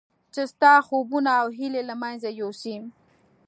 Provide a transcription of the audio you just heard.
چې ستا خوبونه او هیلې له منځه یوسي.